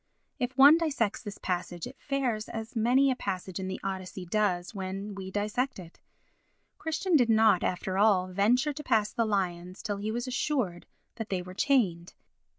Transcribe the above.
If one dissects this passage it fares as many a passage in the Odyssey does when we dissect it. Christian did not, after all, venture to pass the lions till he was assured that they were chained.